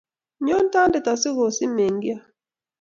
nyoo toonde asikusob meng'ion